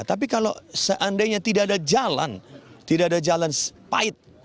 tapi kalau seandainya tidak ada jalan tidak ada jalan pahit